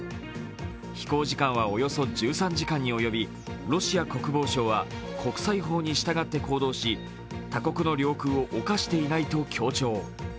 飛行時間はおよそ１３時間に及びロシア国防省は国際法に従って行動し他国の領空を侵していないと強調。